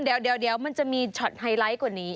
เดี๋ยวมันจะมีช็อตไฮไลท์กว่านี้